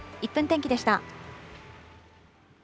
１分天気でした。